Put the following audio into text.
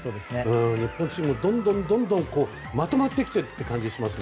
日本チーム、どんどんまとまってきている感じがしますね。